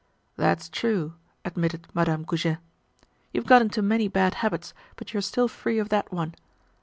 "That's true," admitted Madame Goujet; "you've got into many bad habits but you're still free of that one."